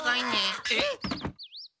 えっ？